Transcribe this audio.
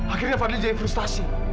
akhirnya fadil jadi frustasi